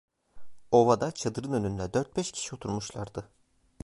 Ovada, çadırın önünde, dört beş kişi oturmuşlardı.